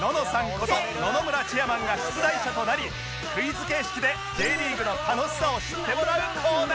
こと野々村チェアマンが出題者となりクイズ形式で Ｊ リーグの楽しさを知ってもらうコーナー